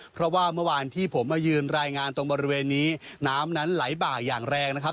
เพราะว่าเมื่อวานที่ผมมายืนรายงานตรงบริเวณนี้น้ำนั้นไหลบ่าอย่างแรงนะครับ